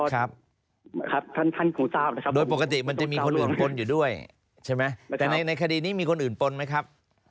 ครับท่านท่านครูทราบนะครับโดยปกติมันจะมีคนอื่นปนอยู่ด้วยใช่ไหมแต่ในคดีนี้มีคนอื่นปนไหมครับ